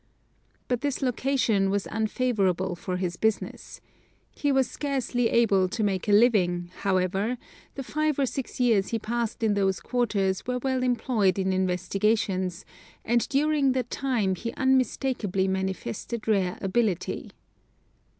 But this location was unfavorable for his business. He was scarcely able to make a living, however, the five or six years he passed in those quarters were well employed in investigations, and during the time he unmistakably manifested rare ability.